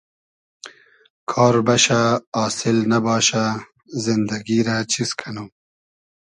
کار بئشۂ آسیل نئباشۂ زیندئگی رۂ چیز کئنوم